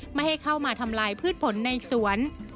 ไม่ให้เข้ามาทำลายพืชผลในสวน